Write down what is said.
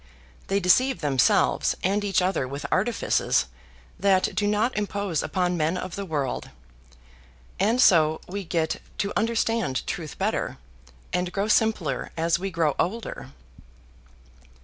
They deceive themselves and each other with artifices that do not impose upon men of the world; and so we get to understand truth better, and grow simpler as we grow older.